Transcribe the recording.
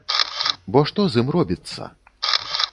Бо што з ім робіцца?